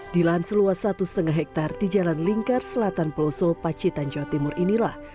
di lansluas satu lima hektare di jalan lingkar selatan pelosok pacitan jawa timur inilah